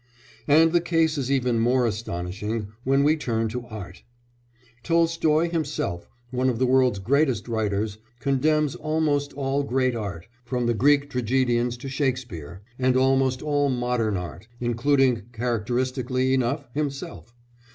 And the case is even more astonishing when we turn to art. Tolstoy, himself one of the world's greatest writers, condemns almost all great art, from the Greek tragedians to Shakespeare, and almost all modern art including, characteristically enough, himself.